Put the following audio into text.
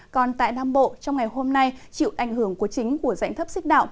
còn tại nam bộ trong ngày hôm nay chịu ảnh hưởng của chính của dạnh thấp xích đạo